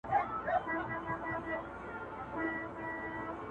د ماشوم همدا داستان کوي